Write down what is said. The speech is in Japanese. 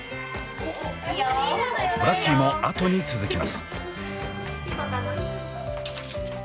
ブラッキーも後に続きます。